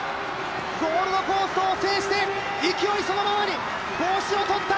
ゴールドコーストを制して勢いそのままに、帽子を取った。